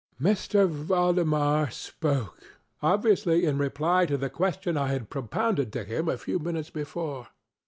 M. Valdemar spokeŌĆöobviously in reply to the question I had propounded to him a few minutes before.